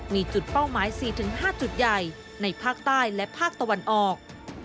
มีจุดเป้าหมาย๔๕จุดใหญ่ในภาคใต้และภาคตะวันออก